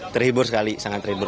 terhibur sekali sangat terhibur